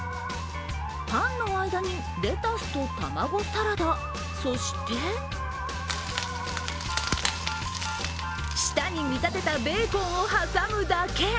パンの間にレタスと卵サラダ、そして舌に見立てたベーコンを挟むだけ。